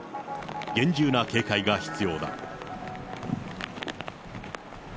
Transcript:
厳重な警戒が必要だ。